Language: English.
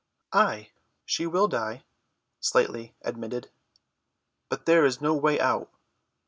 "Ay, she will die," Slightly admitted, "but there is no way out."